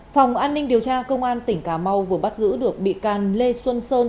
phòng an ninh điều tra công an tỉnh cà mau vừa bắt giữ được bị can lê xuân sơn